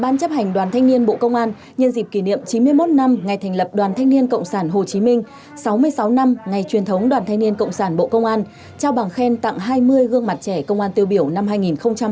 nhân dịp kỷ niệm chín mươi một năm ngày thành lập đoàn thanh niên cộng sản hồ chí minh hai mươi sáu tháng ba năm một nghìn chín trăm ba mươi hai và hai mươi sáu năm truyền thống đoàn thanh niên cộng sản hồ chí minh bộ công an